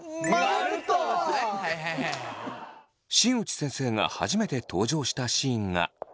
新内先生が初めて登場したシーンがこちら。